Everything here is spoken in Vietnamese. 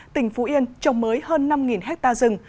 tỉnh phú yên trồng mới hơn năm ha rừng